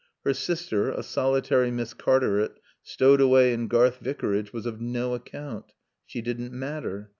Her sister, a solitary Miss Cartaret, stowed away in Garth Vicarage, was of no account. She didn't matter.